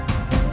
aku mau ke sana